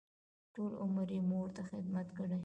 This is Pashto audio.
ټول عمر یې مور ته خدمت کړی.